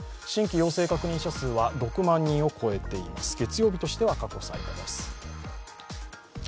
新規陽性確認者数は６万人を超えています。